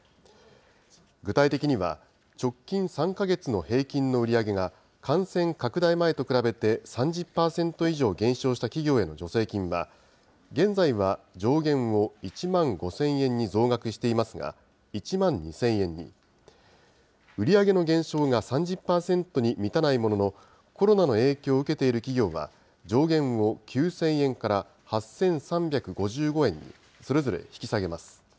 具体的には、直近３か月の平均の売り上げが、感染拡大前と比べて３０％以上減少した企業への助成金は、現在は上限を１万５０００円に増額していますが、１万２０００円に、売り上げの減少が３０％に満たないものの、コロナの影響を受けている企業は、上限を９０００円から８３５５円に、それぞれ引き下げます。